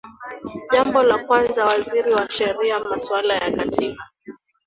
jambo la kwanza waziri wa sheria masuala ya katiba